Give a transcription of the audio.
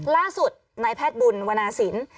ล่าสุดนายแพทย์บุญวนาศิลป์